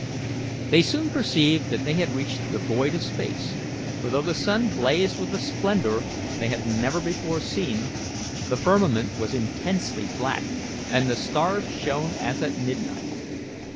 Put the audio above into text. They soon perceived that they had reached the void of space, for, though the sun blazed with a splendour they had never before seen, the firmament was intensely black, and the stars shone as at midnight.